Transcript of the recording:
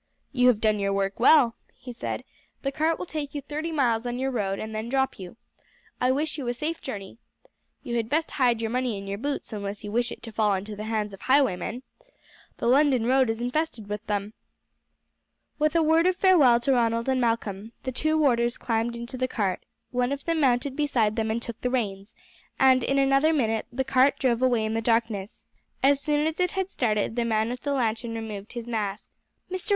"You have done your work well," he said; "the cart will take you thirty miles on your road, and then drop you. I wish you a safe journey. You had best hide your money in your boots, unless you wish it to fall into the hands of highwaymen. The London road is infested with them." With a word of farewell to Ronald and Malcolm, the two warders climbed into the cart, one of them mounted beside them and took the reins, and in another minute the cart drove away in the darkness. As soon as it had started the man with the lantern removed his mask. "Mr.